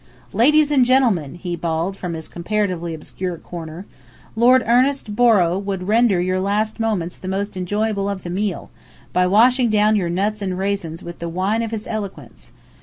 "Ladies and gentlemen," he bawled from his comparatively obscure corner. "Lord Ernest Borrow will render your last moments the most enjoyable of the meal, by washing down your nuts and raisins with the wine of his eloquence.